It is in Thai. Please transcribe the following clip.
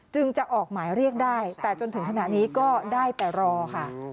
จึงจะออกหมายเรียกได้แต่จนถึงขณะนี้ก็ได้แต่รอค่ะ